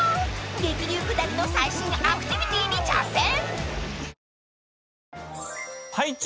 ［激流下りの最新アクティビティに挑戦］